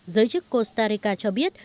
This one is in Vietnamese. giới chức costa rica cho biết